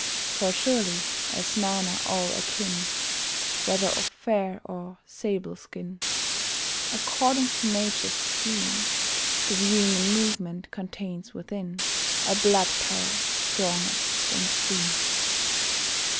For surely as men are all akin, Whether of fair or sable skin, According to Nature's scheme, That Human Movement contains within A Blood Power stronger than Steam.